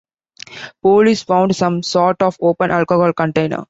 Police found some sort of open alcohol container.